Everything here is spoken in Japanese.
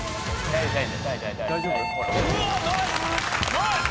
ナイス！